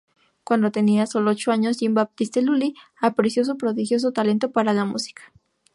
Cuando tenía solo ocho años Jean-Baptiste Lully apreció su prodigioso talento para la música.